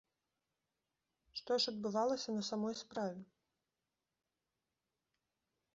Што ж адбывалася на самой справе?